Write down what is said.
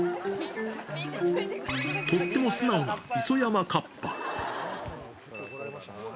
とっても素直な磯山カッパ。